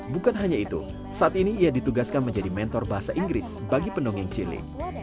bukan hanya itu saat ini ia ditugaskan menjadi mentor bahasa inggris bagi pendongeng cilik